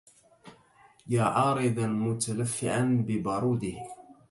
يا عارضا متلفعا ببروده